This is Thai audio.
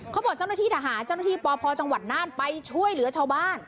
เจ้าหน้าที่ทหารเจ้าหน้าที่ปพจังหวัดน่านไปช่วยเหลือชาวบ้าน